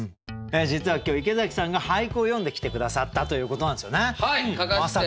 実は今日池崎さんが俳句を詠んできて下さったということなんですよね。